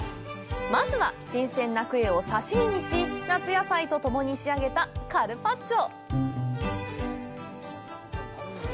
まずは、新鮮なクエを刺身にし夏野菜と共に仕上げた、カルパッチョ。